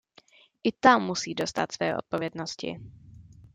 I ta musí dostát své odpovědnosti.